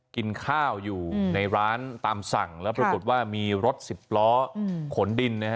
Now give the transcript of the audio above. กินข้าวอยู่ในร้านตามสั่งแล้วปรากฏว่ามีรถสิบล้อขนดินนะฮะ